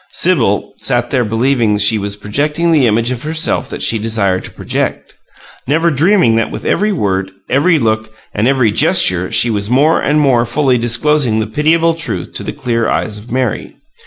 Sibyl sat there believing that she was projecting the image of herself that she desired to project, never dreaming that with every word, every look, and every gesture she was more and more fully disclosing the pitiable truth to the clear eyes of Mary.